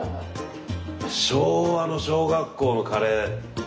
昭和の小学校のカレー。